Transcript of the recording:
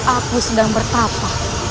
aku sedang bertapa